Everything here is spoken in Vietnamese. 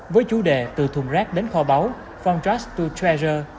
với chủ đề từ thùng rác đến kho báu from trust to treasure